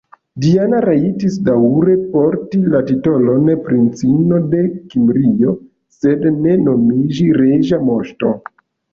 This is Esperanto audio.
Diana rajtis daŭre porti la titolon "Princino de Kimrio", sed ne nomiĝi "reĝa moŝto".